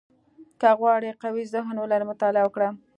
• که غواړې قوي ذهن ولرې، مطالعه وکړه.